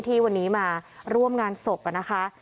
ที่วันนี้มาร่วมงานศพนะคะ